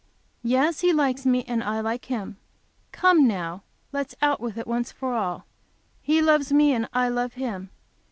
Yes, he likes me and I like him. Come now, let's out with it once for all. He loves me and I love him.